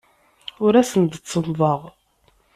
Ur asen-d-ttennḍeɣ.